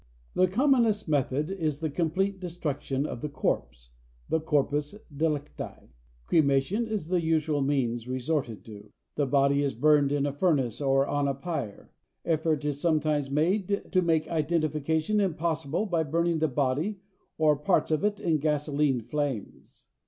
The commonest method is the complete destruction of the corpse the corpus delicti. Cremation is the usual means resorted to. The body is burned in a furnace or on a pyre. Effort is sometimes made to make identification impossible by burning the body or parts of it in gasoline flames.